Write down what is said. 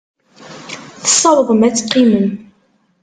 Tessawḍem ad teqqimem?